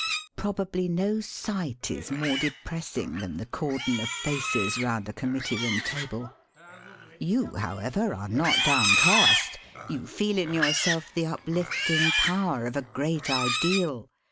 (Probably no sight is more depressing than the cordon of faces round a Com mittee room table. ) You, however, are not down cast. You feel in yourself tlie uplifting power of a great ideal.